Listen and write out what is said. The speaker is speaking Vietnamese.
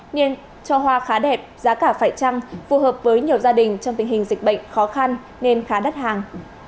nên cho hoa khá đẹp giá cả phải trăng phù hợp với nhiều gia đình trong tình hình dịch bệnh khó khăn nên khá đắt hàng